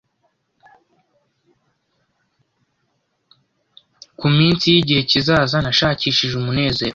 kuminsi yigihe kizaza Nashakishije umunezero